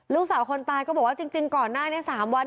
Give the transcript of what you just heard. ลูกสาวคนตายก็บอกว่าจริงก่อนหน้านี้๓วัน